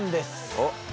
おっ。